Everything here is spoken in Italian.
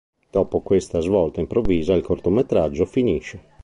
Dopo questa svolta improvvisa il cortometraggio finisce.